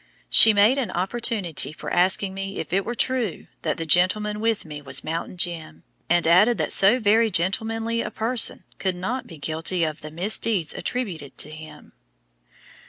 She made an opportunity for asking me if it were true that the gentleman with me was "Mountain Jim," and added that so very gentlemanly a person could not be guilty of the misdeeds attributed to him.